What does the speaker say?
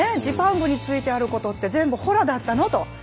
ジパングについてあることって全部ほらだったのと。